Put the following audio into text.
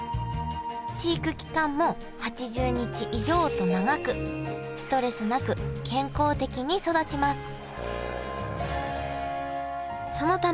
飼育期間も８０日以上と長くストレスなく健康的に育ちますへえ。